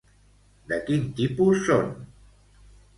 De quin tipus són?